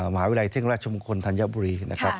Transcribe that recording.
มหาวิทยาลัยเท่งราชมงคลธัญบุรีนะครับ